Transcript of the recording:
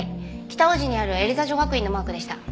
北大路にあるエリザ女学院のマークでした。